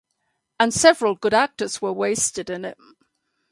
And several good actors are wasted in it.